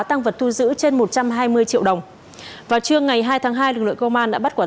tăng vật thu giữ trên một trăm hai mươi triệu đồng vào trưa ngày hai tháng hai lực lượng công an đã bắt quả